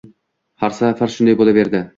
Har safar shunday bo’laverdi.